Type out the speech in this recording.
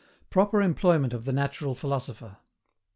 PROPER EMPLOYMENT OF THE NATURAL PHILOSOPHER.